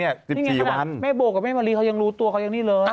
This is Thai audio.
นี่ไงขนาดนั้นแม่โบกับแม่บลิเขายังรู้ตัวเขายังนี่เลย